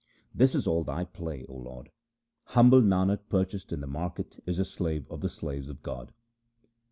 This is all Thy play, O Lord. Humble Nanak purchased in the market is a slave of the slaves of God.